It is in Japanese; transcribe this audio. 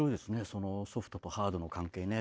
そのソフトとハードの関係ね。